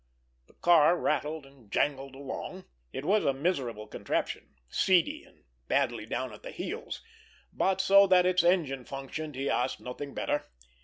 The car rattled and jangled along. It was a miserable contraption, seedy, and badly down at the heels, but so that its engine functioned he asked nothing better.